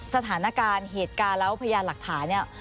สถานการณ์เหตุการณ์แล้วพยานหลักฐานเนี่ย